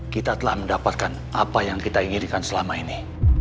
kita telah mendapatkan apa yang kita inginkan selama ini